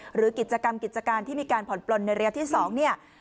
หรือกิจกรรมกิจการที่มีการผ่อนปลนในระยะที่๒เนี่ย